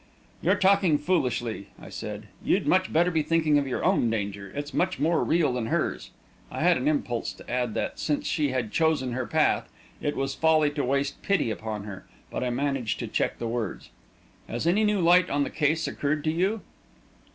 "You're talking foolishly," I said. "You'd much better be thinking of your own danger; it's much more real than hers." I had an impulse to add that, since she had chosen her path, it was folly to waste pity upon her, but I managed to check the words. "Has any new light on the case occurred to you?"